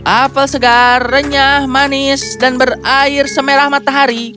apel segar renyah manis dan berair semerah matahari